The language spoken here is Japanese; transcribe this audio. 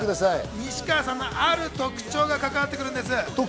西川さんのある特徴が関わってくるんです。